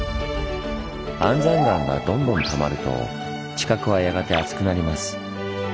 安山岩がどんどんたまると地殻はやがて厚くなります。